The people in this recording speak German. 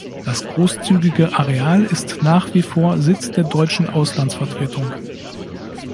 Das großzügige Areal ist nach wie vor Sitz der deutschen Auslandsvertretung.